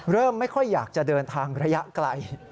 เริ่มไม่ค่อยอยากจะเดินทางระยะไกล